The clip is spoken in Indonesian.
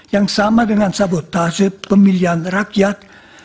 yang sama dengan sabotase pemilihan rakyat